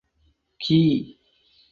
Ki.